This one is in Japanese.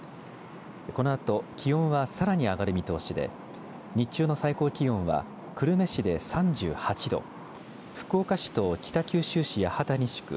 このあと気温はさらに上がる見通しで日中の最高気温は久留米市で３８度福岡市と北九州市八幡西区